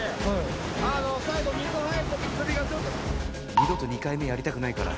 二度と２回目やりたくないから。